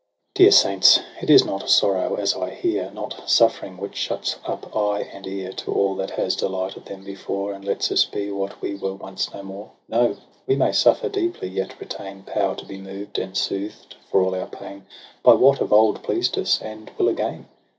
Dear saints, it is not sorrow, as I hear. Not suffering, which shuts up eye and ear To all that has delighted them before. And lets us be what we were once no more. No, we may suffer deeply, yet retain Power to be moved and soothed, for all our pain. By what of old pleased us, and will again.